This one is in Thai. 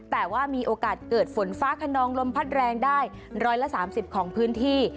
แต่ว่ามีโอกาสเกิดฝนฟ้าขนองลมพัดแรงได้๑๓๐ของพื้นที่